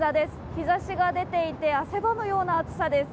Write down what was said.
日ざしが出ていて汗ばむような暑さです。